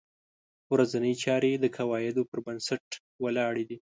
ورځنۍ چارې د قواعدو په بنسټ ولاړې دي.